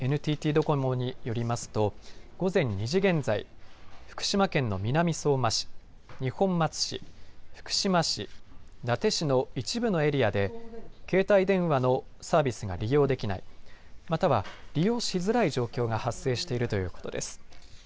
ＮＴＴドコモによりますと午前２時現在、福島県の南相馬市、二本松市、福島市伊達市の一部のエリアで携帯電話のサービスが利用できない、または利用しづらい状況が発生しているということです。